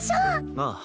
ああ。